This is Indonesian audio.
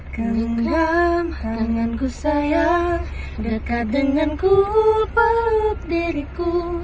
kenggam tanganku sayang dekat denganku peluk diriku